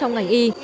trong ngành y